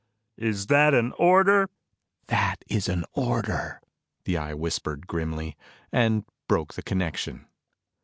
"Is that an order?" "That is an order," the Eye whispered grimly, and broke the connection.